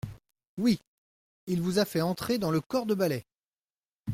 Oui !… il vous a fait entrer dans le corps de balai.